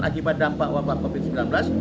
akibat dampak wabah covid sembilan belas